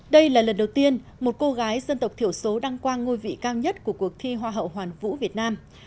đây là lần đầu tiên một cô gái dân tộc thiểu số đăng quang ngôi vị cao nhất của cuộc thi hoa hậu hoàn vũ việt nam